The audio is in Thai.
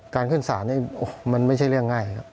ขึ้นศาลนี่มันไม่ใช่เรื่องง่ายครับ